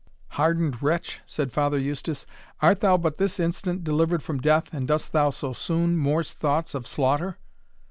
"Hardened wretch!" said Father Eustace, "art thou but this instant delivered from death, and dost thou so soon morse thoughts of slaughter?"